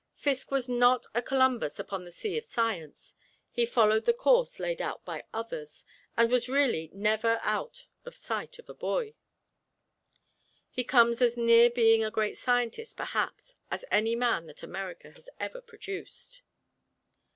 Fiske was not a Columbus upon the sea of science: he followed the course laid out by others, and was really never out of sight of a buoy. He comes as near being a great scientist, perhaps, as any man that America has ever produced.